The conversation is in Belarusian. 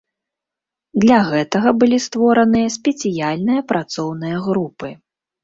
Для гэтага былі створаныя спецыяльныя працоўныя групы.